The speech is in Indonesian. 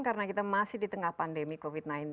karena kita masih di tengah pandemi covid sembilan belas